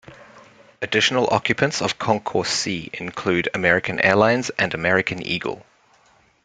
Additional occupants of Concourse C include American Airlines and American Eagle.